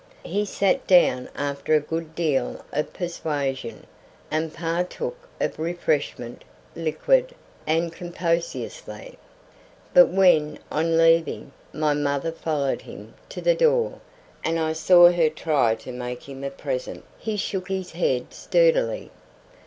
He sat down after a good deal of persuasion, and partook of refreshment liquid, and copiously. But when, on leaving, my mother followed him to the door, and I saw her try to make him a present, he shook his head sturdily.